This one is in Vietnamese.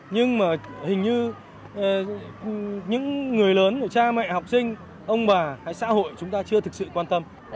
nhưng mà hình như những người lớn cha mẹ học sinh ông bà hay xã hội chúng ta chưa thực sự quan tâm